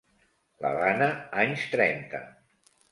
L'Havana, anys trenta.